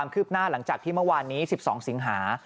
คืบหน้าหลังจากที่เมื่อวานนี้๑๒สิงหา